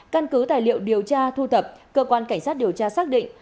căn cứ tài liệu điều tra thu thập cơ quan cảnh sát điều tra xác định